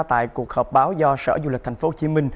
tại cuộc họp báo do sở du lịch tp hcm